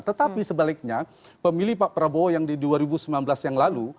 tetapi sebaliknya pemilih pak prabowo yang di dua ribu sembilan belas yang lalu